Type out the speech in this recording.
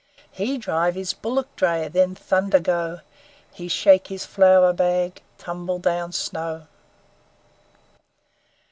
He drive His bullock dray, Then thunder go, He shake His flour bag Tumble down snow!'